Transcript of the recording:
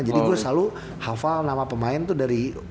jadi gue selalu hafal nama pemain tuh dari